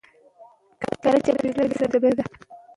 کاري چاپېريال چې سالم وي، فشار نه زياتېږي.